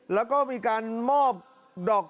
แล้วก็มีการมอบดอก